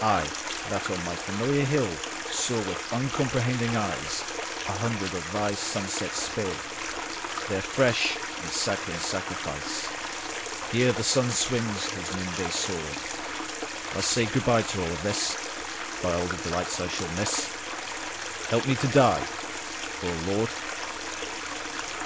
I, that on my familiar hillSaw with uncomprehending eyesA hundred of Thy sunsets spillTheir fresh and sanguine sacrifice, Ere the sun swings his noonday swordMust say good bye to all of this:—By all delights that I shall miss, Help me to die, O Lord.